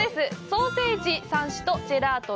ソーセージ３種とジェラート